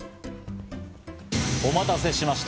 お待たせしました。